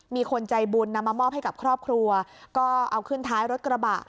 มีคนใจบุญนำมามอบให้กับครอบครัวก็เอาขึ้นท้ายรถกระบะ